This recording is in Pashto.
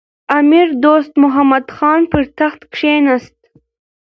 امیر دوست محمد خان پر تخت کښېناست.